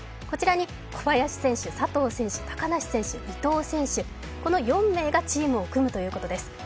こちらに小林選手、佐藤選手、高梨選手、伊藤選手、この４名がチームを組むということです。